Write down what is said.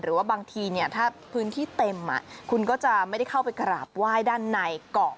หรือว่าบางทีถ้าพื้นที่เต็มคุณก็จะไม่ได้เข้าไปกราบไหว้ด้านในก่อน